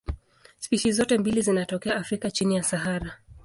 Spishi zote mbili zinatokea Afrika chini ya Sahara.